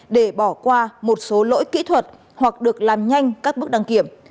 để bỏ qua một số lỗi kỹ thuật hoặc được làm nhanh các bước đăng kiểm